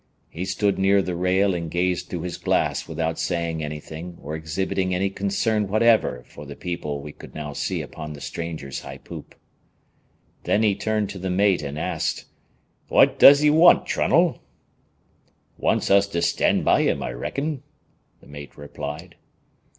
He stood near the rail and gazed through his glass without saying anything or exhibiting any concern whatever for the people we could now see upon the stranger's high poop. Then he turned to the mate and asked: "What does he want, Trunnell?" "Want's us to stand by him, I reckon," the mate replied.